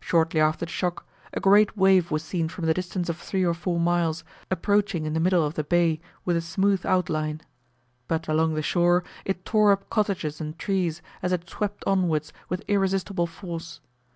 Shortly after the shock, a great wave was seen from the distance of three or four miles, approaching in the middle of the bay with a smooth outline; but along the shore it tore up cottages and trees, as it swept onwards with irresistible force.